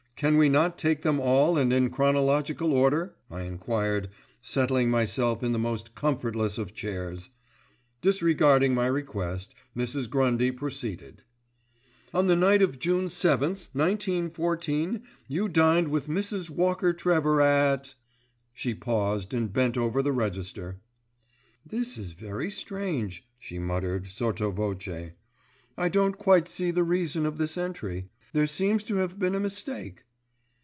Can we not take them all and in chronological order?" I enquired, settling myself in the most comfortless of chairs. Disregarding my request, Mrs. Grundy proceeded: "On the night of June 7th, 1914, you dined with Mrs. Walker Trevor at ——," she paused and bent over the register. "This is very strange," she muttered, sotto voce. "I don't quite see the reason of this entry. There seems to have been a mistake."